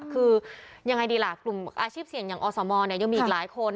คือยังไงดีล่ะกลุ่มอาชีพเสี่ยงอย่างอสมยังมีอีกหลายคน